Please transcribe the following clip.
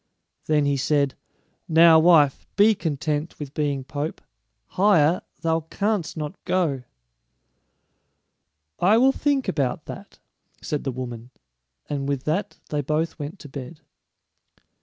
Then he said, "Now, wife, be content with being pope; higher thou canst not go." "I will think about that," said the woman, and with that they both went to bed.